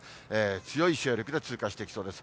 強い勢力で通過していきそうです。